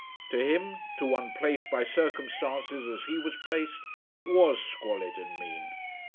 To him, to one placed by circumstances as he was placed, it was squalid and mean.